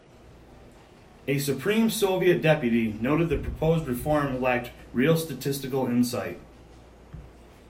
A Supreme Soviet deputy noted the proposed reform lacked real statistical insight.